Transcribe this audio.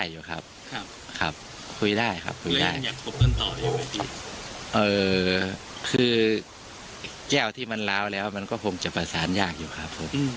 คือแก้วที่มันล้าวแล้วมันก็คงจะประสานยากอยู่ครับผม